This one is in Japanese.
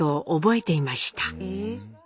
え？